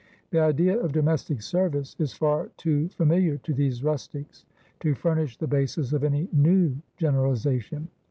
"The idea of domestic service is far too familiar to these rustics to furnish the basis of any new generalisation.